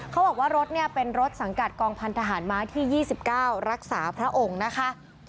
เขาบอกว่ารถเนี่ยเป็นรถสังกัดกองพันธหารม้าที่๒๙รักษาพระองค์นะคะ